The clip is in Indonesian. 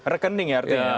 rekening ya artinya